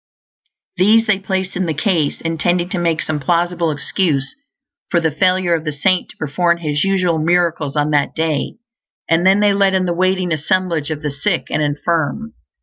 These they placed in the case, intending to make some plausible excuse for the failure of the saint to perform his usual miracles on that day; and then they let in the waiting assemblage of the sick and infirm.